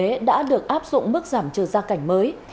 những người phải nộp thuế đã được áp dụng mức giảm trừ gia cảnh mới